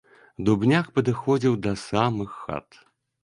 Дубняк падыходзіў да самых хат.